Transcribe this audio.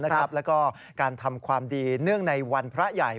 แล้วก็การทำความดีเนื่องในวันพระใหญ่